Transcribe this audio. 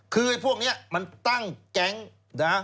คือพวกเนี่ยมันตั้งแกล้งนะ